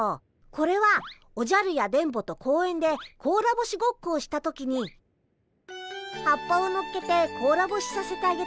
これはおじゃるや電ボと公園でこうらぼしごっこをした時に葉っぱをのっけてこうらぼしさせてあげた小石くんたち。